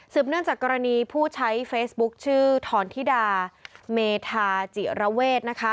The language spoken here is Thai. เนื่องจากกรณีผู้ใช้เฟซบุ๊คชื่อทรธิดาเมธาจิระเวทนะคะ